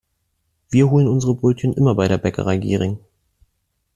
Wir holen unsere Brötchen immer bei der Bäckerei Gehring.